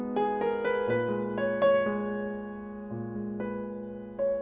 sekarang abajo nanti